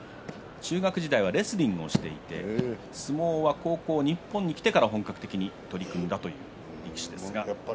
中学時代はレスリングをして相撲は高校に来てから日本に来てから取り組んだということです。